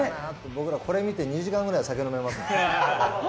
僕ら、これ見て２時間ぐらい酒飲めますよ。